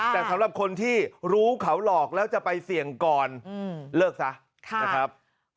แต่สำหรับคนที่รู้เขาหลอกแล้วจะไปเสี่ยงก่อนเลิกซะนะครับ